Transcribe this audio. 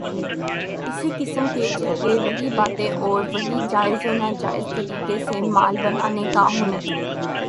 اسی قسم کے چہرے، وہی باتیں اور وہی جائز و ناجائز طریقے سے مال بنانے کا ہنر۔